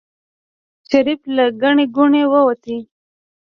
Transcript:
شريف له ګڼې ګوڼې ووت.